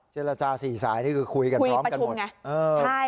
เจรจาศรีสายนี่คือคุยกันพร้อมกันหมดคุยประชุมไงใช่